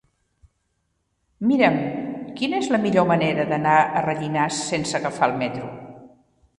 Mira'm quina és la millor manera d'anar a Rellinars sense agafar el metro.